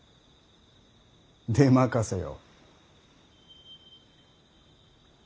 出任せよ。